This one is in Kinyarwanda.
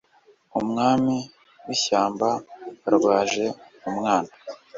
umwami w'ishyamba yarwaje umwana